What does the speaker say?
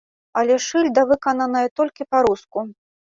Але ж шыльда выкананая толькі па-руску.